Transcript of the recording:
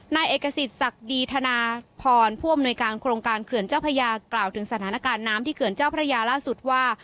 นายเอกสิทธิ์ศักดีธนาพรผู้อำนวยการโครงการเขื่อนเจ้าพระยากล่าวถึงสถานการณ์น้ำที่เขื่อนเจ้าพระยาล่าสุดว่า